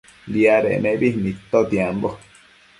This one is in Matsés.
Diadec nebi nidtotiambo